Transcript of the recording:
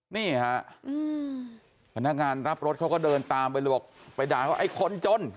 นี่ฮะพนักงานรับรถเขาก็เดินตามไปเลยบอกไปด่าว่าไอ้คนจน